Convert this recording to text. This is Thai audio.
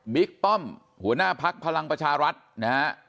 ป้อมหัวหน้าพักพลังประชารัฐนะฮะ